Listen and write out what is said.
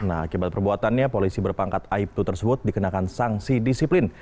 nah akibat perbuatannya polisi berpangkat aibtu tersebut dikenakan sanksi disiplin